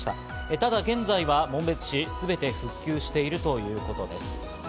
ただ現在は紋別市、全て復旧しているということです。